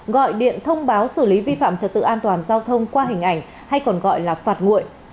gọi điện thông báo xử lý vi phạm trật tự an toàn giao thông qua hình ảnh hay còn gọi là phạt nguội